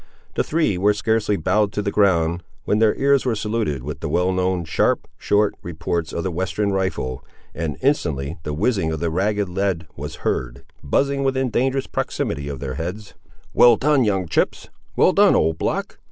The three were scarcely bowed to the ground, when their ears were saluted with the well known, sharp, short, reports of the western rifle, and instantly, the whizzing of the ragged lead was heard, buzzing within dangerous proximity of their heads. "Well done, young chips! well done, old block!"